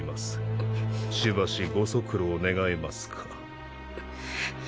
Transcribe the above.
しばしご足労願えますか？